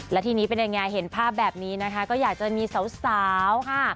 และทีนี้เป็นยังไงเห็นภาพแบบนี้นะคะก็อยากจะมีสาวค่ะ